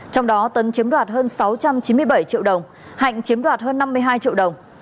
trong đó tấn chiếm đoạt hơn sáu trăm chín mươi bảy triệu đồng hạnh chiếm đoạt hơn năm mươi hai triệu đồng